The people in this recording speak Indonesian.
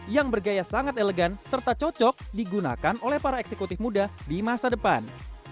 yang bergaya sangat elegan serta cocok digunakan oleh para eksekutif muda di masa depan